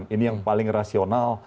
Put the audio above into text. ini yang paling rasional